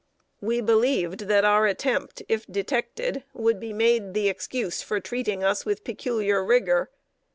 We believed that our attempt, if detected, would be made the excuse for treating us with peculiar rigor.